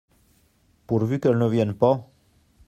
Pourvu qu’elles ne viennent pas !